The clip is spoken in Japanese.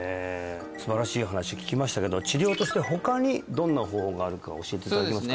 すばらしい話を聞きましたけど治療としては他にどんな方法があるか教えていただけますか？